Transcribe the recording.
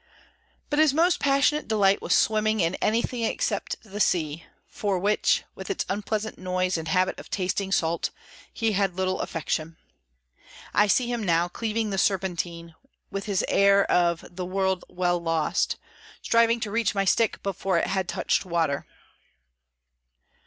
But his most passionate delight was swimming in anything except the sea, for which, with its unpleasant noise and habit of tasting salt, he had little affection. I see him now, cleaving the Serpentine, with his air of "the world well lost," striving to reach my stick before it had touched water.